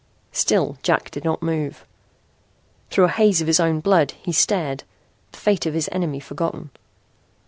Still Jack did not move. Through a haze of his own blood he stared, the fate of his enemy forgotten.